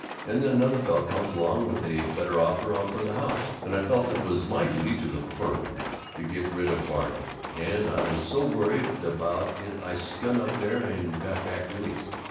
And then another fellow comes along with a better offer for the house, and I felt it was my duty to the firm to get rid of Varney, and I was so worried about it I skun up there and got back the lease.